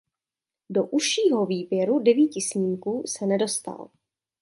Do užšího výběru devíti snímků se nedostal.